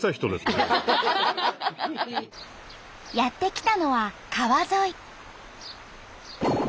やって来たのは川沿い。